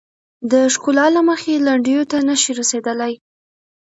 د ښکلا له مخې لنډیو ته نه شي رسیدلای.